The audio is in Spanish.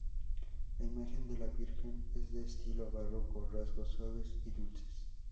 La imagen de la virgen es de estilo barroco rasgos suaves y dulces.